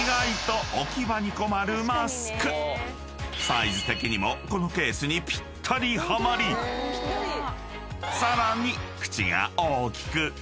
［サイズ的にもこのケースにぴったりはまりさらに］